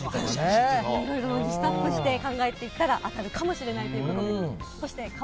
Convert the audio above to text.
いろいろリストアップして考えていったら、当たるかもしれないということで。